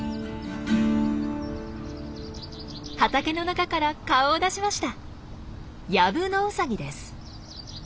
畑の中から顔を出しました。